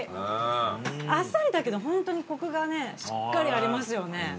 あっさりだけどホントにコクがねしっかりありますよね。